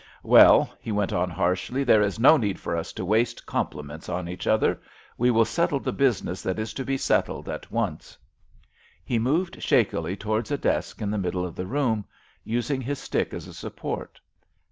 Well," he went on, harshly, "there is no need for us to waste compliments on each other. We will settle the business that is to be settled at once." He moved shakily towards a desk in the middle of the room, using his stick as a support.